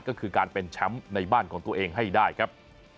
ก็คือการเป็นแชมป์ในบ้านของตัวเองให้ได้ครับ